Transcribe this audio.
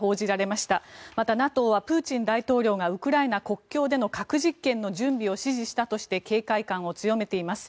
また、ＮＡＴＯはプーチン大統領がウクライナ国境での核実験の準備を指示したとして警戒感を強めています。